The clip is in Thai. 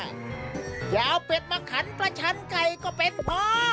อย่าเอาเป็ดมาขันประชันไก่ก็เป็นพอ